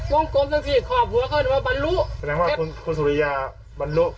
วงกลมทั้งที่ครอบครัวเขาหรือว่าบรรลุแสดงว่าคุณคุณสุริยาบรรลุ